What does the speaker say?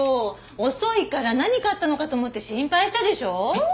遅いから何かあったのかと思って心配したでしょ。